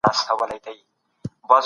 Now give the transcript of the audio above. تخنيکي معلوماتو کي بايد اصلاحات راسي.